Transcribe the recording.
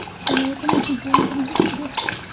Se graduó como Licenciado en Comercio Exterior.